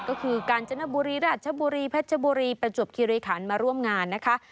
ก็คือกาญจนบุรีราชบุรีเพชรบุรีประจวบคิริขันมาร่วมงานนะคะ